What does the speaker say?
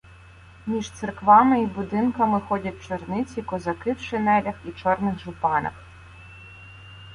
Між церквами й будинками ходять черниці, козаки в шинелях і чорних жупанах.